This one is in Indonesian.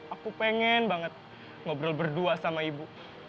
aku pengen banget ngobrol berdua sama ibu